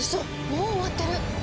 もう終わってる！